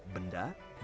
benda dan perusahaan